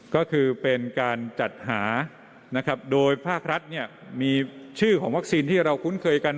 ก็คือเป็นการจัดหานะครับโดยภาครัฐเนี่ยมีชื่อของวัคซีนที่เราคุ้นเคยกัน